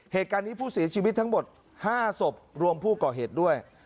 เหตุการณ์นี้ผู้เสียชีวิตทั้งหมด๕ศพรวมผู้ก่อเหตุด้วย